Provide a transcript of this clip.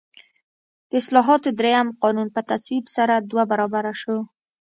د اصلاحاتو درېیم قانون په تصویب سره دوه برابره شو.